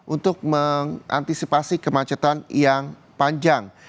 untuk mengantisipasi kemacetan yang panjang